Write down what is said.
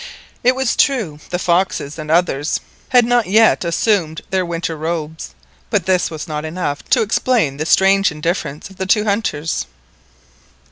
It was true the foxes and others had not yet assumed their winter robes, but this was not enough to explain the strange indifference of the two hunters.